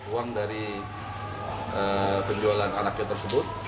uang dari penjualan anaknya tersebut